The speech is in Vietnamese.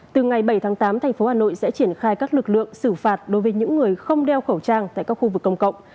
từ ngày bảy tháng tám thành phố hà nội sẽ triển khai các lực lượng xử phạt đối với những người không đeo khẩu trang tại các khu vực công cộng